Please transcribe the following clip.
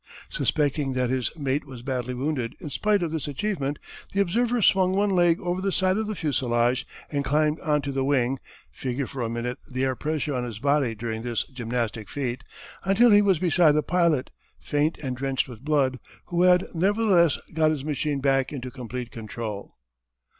Suspecting that his mate was badly wounded in spite of this achievement, the observer swung one leg over the side of the fusillage and climbed on to the wing figure for a minute the air pressure on his body during this gymnastic feat until he was beside the pilot, faint and drenched with blood, who had nevertheless got his machine back into complete control.